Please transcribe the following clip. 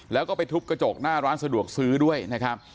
แล้วก็ไปทุบกระจกหน้าร้านสะดวกซื้อด้วยนะครับ